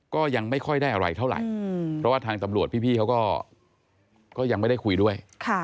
ก็ยังไม่ค่อยได้อะไรเท่าไหร่เพราะว่าทางตำรวจพี่เขาก็ยังไม่ได้คุยด้วย